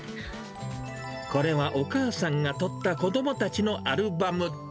これはお母さんが撮った子どもたちのアルバム。